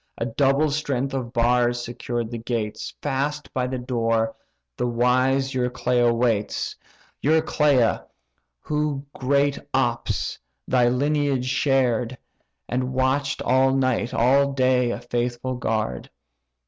A double strength of bars secured the gates; Fast by the door the wise Euryclea waits; Euryclea, who great Ops! thy lineage shared, And watch'd all night, all day, a faithful guard.